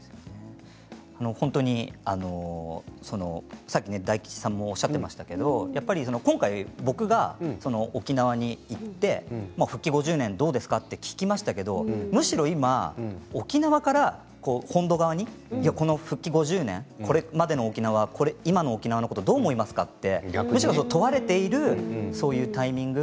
本当にさっき大吉さんもおっしゃってましたけど今回、僕が沖縄に行って復帰５０年どうですか？と聞きましたけどむしろ今、沖縄から本土側に、この復帰５０年これまでの沖縄、今の沖縄のことどう思いますか？とむしろ問われているそういうタイミング